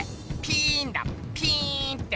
ピーンだピーンって。